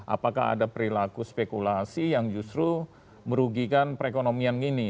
apakah ada perilaku spekulasi yang justru merugikan perekonomian ini